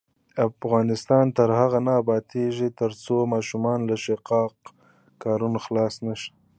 افغانستان تر هغو نه ابادیږي، ترڅو ماشومان له شاقه کارونو خلاص نشي.